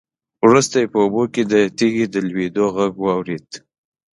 وروسته يې په اوبو کې د تېږې د لوېدو غږ واورېد.